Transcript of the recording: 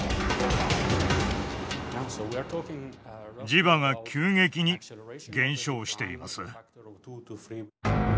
磁場が急激に減少しています。